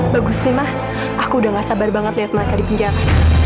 bagus nih ma aku udah nggak sabar banget lihat mereka di penjara